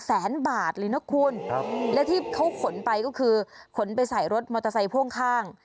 แสนบาทเลยนะคุณครับและที่เขาขนไปก็คือขนไปใส่รถมอเตอร์ไซค์พ่วงข้าง